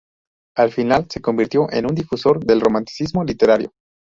Al final se convirtió en un difusor del Romanticismo literario.